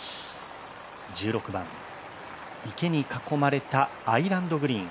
１６番、池に囲まれたアイランドグリーン。